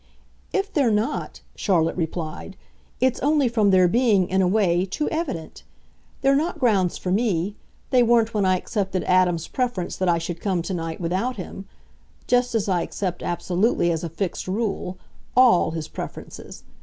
"If they're not," Charlotte replied, "it's only from their being, in a way, too evident. They're not grounds for me they weren't when I accepted Adam's preference that I should come to night without him: just as I accept, absolutely, as a fixed rule, ALL his preferences.